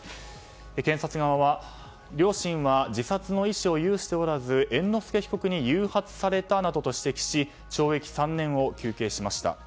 検察側は両親は自殺の意思を有しておらず猿之助被告に誘発されたなどと指摘し懲役３年を求刑しました。